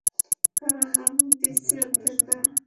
কারন আমরা দিচ্ছি অর্ধেক দামে।